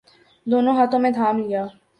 دونوں ہاتھوں میں تھام لیا۔